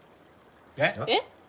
えっ！？